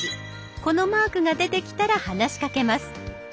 このマークが出てきたら話しかけます。